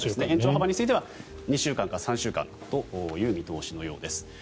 延長幅については２週間から３週間という見通しのようです。